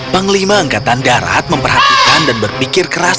panglima angkatan darat memperhatikan dan berpikir keras